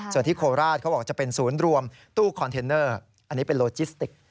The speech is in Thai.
ส่วนที่โคราชเขาบอกจะเป็นศูนย์รวมตู้คอนเทนเนอร์อันนี้เป็นโลจิสติก